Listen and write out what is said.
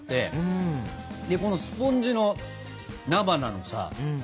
このスポンジの菜花のさ